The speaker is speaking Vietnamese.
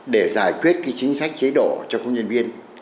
để giải quyết chính sách chế độ cho công nhân viên